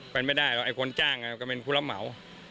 บันไม่ได้เพราะถ้าใครจ้างก็เป็นผู้รับเหมา